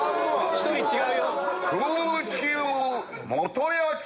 １人違うよ。